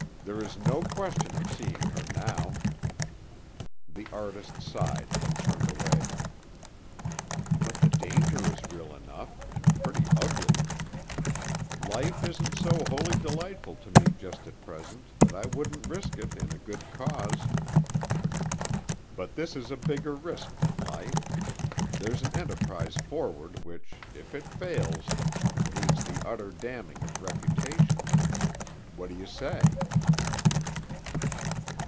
There is no question of seeing her now." The artist sighed and turned away. "But the danger is real enough, and pretty ugly." "Life isn't so wholly delightful to me just at present that I wouldn't risk it in a good cause." "But this is a bigger risk than life. There's an enterprise forward which, if it fails, means the utter damning of reputation. What do you say?"